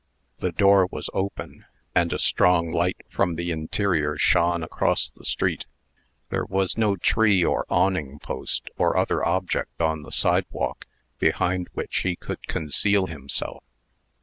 The door was open and a strong light from the interior shone across the street. There was no tree or awning post, or other object, on the sidewalk, behind which he could conceal himself.